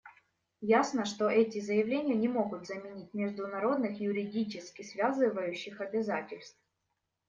Ясно, что эти заявления не могут заменить международных юридически связывающих обязательств.